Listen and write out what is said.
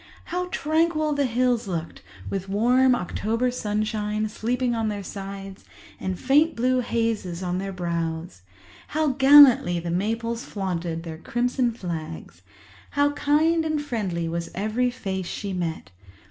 How tranquil the hills looked, with warm October sunshine sleeping on their sides and faint blue hazes on their brows! How gallantly the maples flaunted their crimson flags! How kind and friendly was every face she met!